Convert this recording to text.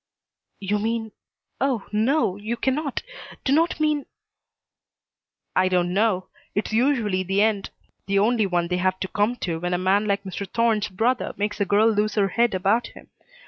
"You mean oh no, you cannot, do not mean " "I don't know. It's usually the end. The only one they have to come to when a man like Mr. Thorne's brother makes a girl lose her head about him.